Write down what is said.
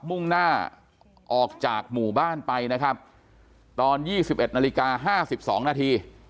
มุ่งหน้าออกจากหมู่บ้านไปนะครับตอน๒๑นาฬิกา๕๒นาที